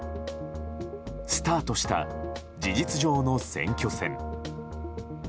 スタートした、事実上の選挙戦。